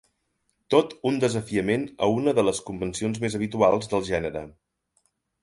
Tot un desafiament a una de les convencions més habituals del gènere.